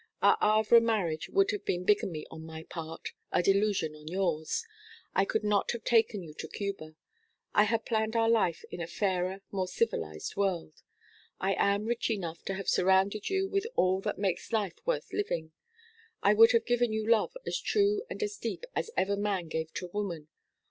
Our Havre marriage would have been bigamy on my part, a delusion on yours. I could not have taken you to Cuba. I had planned our life in a fairer, more civilised world. I am rich enough to have surrounded you with all that makes life worth living. I would have given you love as true and as deep as ever man gave to woman.